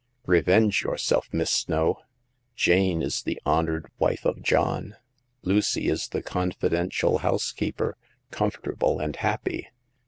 Revenge yourself. Miss Snow ! Jane is the hon ored wife of John ; Lucy is the confidential housekeeper, comfortable and happy.